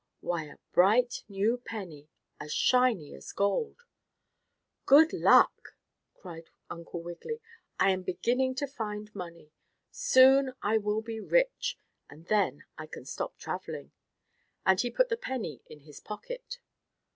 Why a bright new penny as shiny as gold. "Good luck!" cried Uncle Wiggily, "I am beginning to find money. Soon I will be rich, and then I can stop traveling," and he put the penny in his pocket.